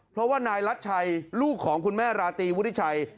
เพราะว่านายรัชชัยลูกของคุณแม่ราตรีวุฒิชัย